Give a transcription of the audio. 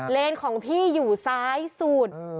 เลนของพี่อยู่ซ้ายสุด